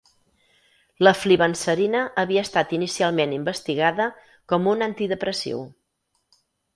La flibanserina havia estat inicialment investigada com un antidepressiu.